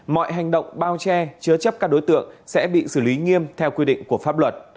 mọi hành động bao che chứa chấp các đối tượng sẽ bị xử lý nghiêm theo quy định của pháp luật